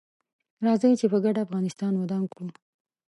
راځي چې په ګډه افغانستان ودان کړو